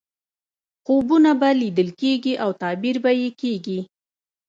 خوبونه به لیدل کېږي او تعبیر به یې کېږي.